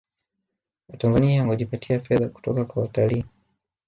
Watanzania hujipatia fedha kutoka kwa watalii